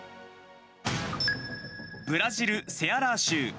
ブラジル・セアラー州。